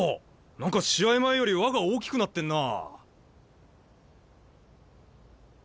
何か試合前より輪が大きくなってんな。